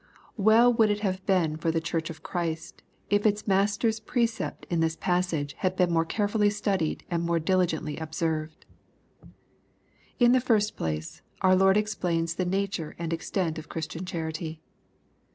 Well would it have been for the Church of Christ, if its Master's precept in this passage had been more carefully studied and more diUgently observed 1 In the first place, our Lord explains the nature and extent of Christian charity.